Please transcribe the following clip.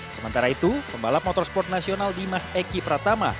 sementara itu pembalap motorsport nasional dimas eki pratama